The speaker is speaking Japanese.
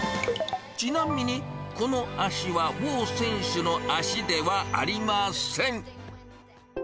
ちなみに、この足はボウ選手の足ではありません。